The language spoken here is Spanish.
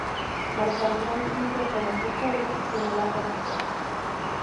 Marcando una distinción con otros pueblos que no la practican.